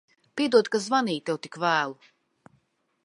Piedod, ka zvanīju tev tik vēlu.